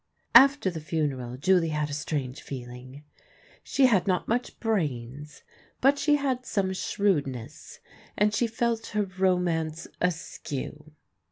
After the funeral JuHe had a strange feehng. She had not much brains, but she had some shrewdness, and she felt her romance askew.